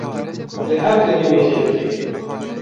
li her dere mêze dike.